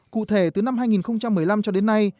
cụ thể từ năm hai nghìn một mươi năm cho đến nay